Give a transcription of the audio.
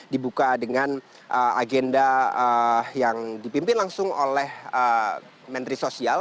dibuka dengan agenda yang dipimpin langsung oleh menteri sosial